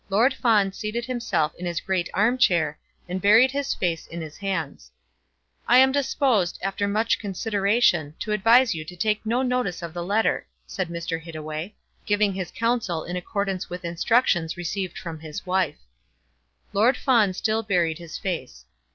Lord Fawn seated himself in his great arm chair, and buried his face in his hands. "I am disposed, after much consideration, to advise you to take no notice of the letter," said Mr. Hittaway, giving his counsel in accordance with instructions received from his wife. Lord Fawn still buried his face.